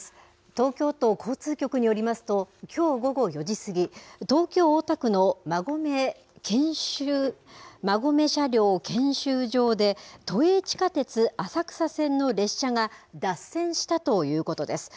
東京都交通局によりますと、きょう午後４時過ぎ、東京・大田区の馬込車両検修場で、都営地下鉄浅草線の列車が脱線したということです。